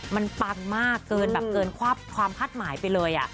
มันปังมากเกินแบบเกินความคาดหมายไปเลย